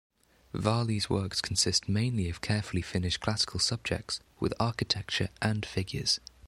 Varley's works consist mainly of carefully finished classical subjects, with architecture and figures.